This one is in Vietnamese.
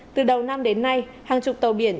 từ đầu năm đến nay hàng chục tàu biển